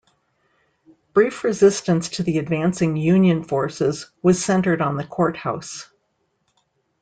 Brief resistance to the advancing Union forces was centered on the courthouse.